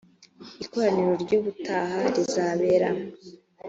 ikoraniro ry ubutaha rizabera